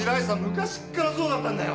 昔っからそうだったんだよ。